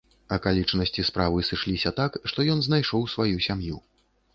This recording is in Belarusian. Акалічнасці справы сышліся так, што ён знайшоў сваю сям'ю.